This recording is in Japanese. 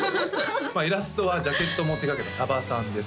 まあイラストはジャケットも手がけた鯖さんです